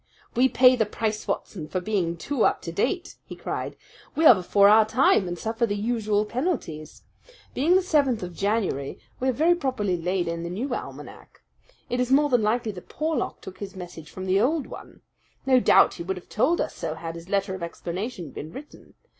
"We pay the price, Watson, for being too up to date!" he cried. "We are before our time, and suffer the usual penalties. Being the seventh of January, we have very properly laid in the new almanac. It is more than likely that Porlock took his message from the old one. No doubt he would have told us so had his letter of explanation been written.